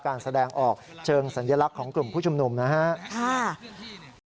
การแสดงออกเชิงสัญลักษณ์ของกลุ่มผู้ชุมนุมนะครับ